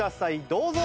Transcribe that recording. どうぞ。